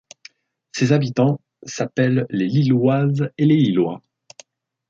Ses habitants s'appellent les Lisloises et les Lislois.